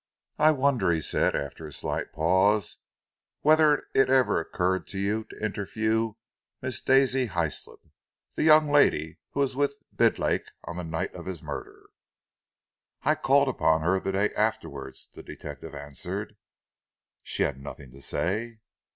"I wonder," he said, after a slight pause, "whether it ever occurred to you to interview Miss Daisy Hyslop, the young lady who was with Bidlake on the night of his murder?" "I called upon her the day afterwards," the detective answered. "She had nothing to say?"